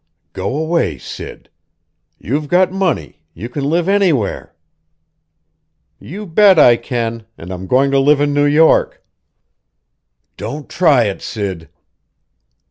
"Go away, Sid. You've got money you can live anywhere!" "You bet I can! And I'm going to live in New York!" "Don't try it, Sid!"